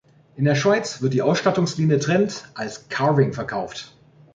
In der Schweiz wird die Ausstattungslinie Trend als „Carving“ verkauft.